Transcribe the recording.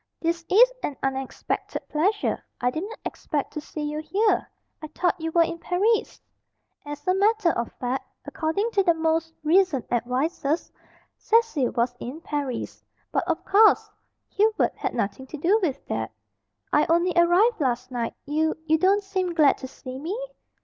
"This is an unexpected pleasure. I didn't expect to see you here. I thought you were in Paris." As a matter of fact according to the most recent advices, Cecil was in Paris. But, of course, Hubert had nothing to do with that. "I only arrived last night. You you don't seem glad to see me?"